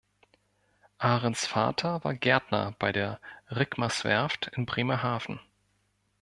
Ahrens Vater war Gärtner bei der Rickmerswerft in Bremerhaven.